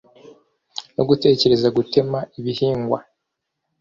no gutekereza gutema ibihingwa